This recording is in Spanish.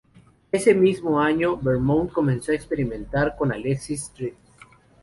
Ese mismo año, Beaumont comenzó a experimentar con Alexis St.